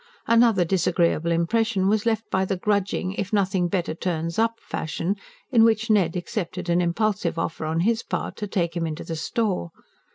Another disagreeable impression was left by the grudging, if nothing better turns up fashion, in which Ned accepted an impulsive offer on his part to take him into the store.